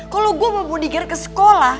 kalau gue mau dikiri ke sekolah